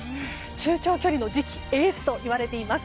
中長距離の次期エースといわれています。